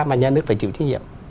mà nhà nước phải chịu trí nghiệm